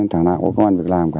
thằng nào cũng không ăn việc làm